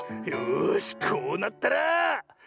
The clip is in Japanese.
よしこうなったら。